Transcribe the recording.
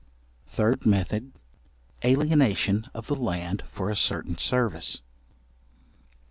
Third method; alienation of the land for a certain service.